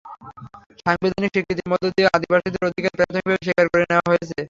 সাংবিধানিক স্বীকৃতির মধ্য দিয়ে আদিবাসীদের অধিকার প্রাথমিকভাবে স্বীকার করে নেওয়া হয়েছে।